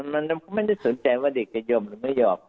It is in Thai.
มันก็ไม่ได้สนใจว่าเด็กจะยอมหรือไม่ยอม